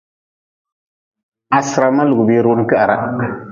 Ha sira ma lugʼbire runi kwiharah.